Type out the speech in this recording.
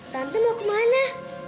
tante mau kemana